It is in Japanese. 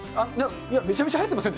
めちゃめちゃはやってません